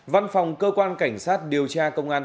văn phòng cơ quan cảnh sát điều tra công an